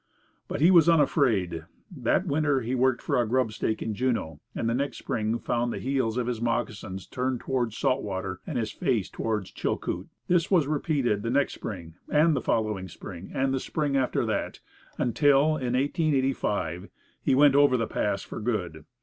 But he was unafraid. That winter he worked for a grubstake in Juneau, and the next spring found the heels of his moccasins turned towards salt water and his face toward Chilcoot. This was repeated the next spring, and the following spring, and the spring after that, until, in 1885, he went over the Pass for good.